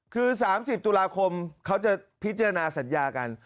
คือ๓๐ตุลาคมเขาจะพิจารณาสัญญากัน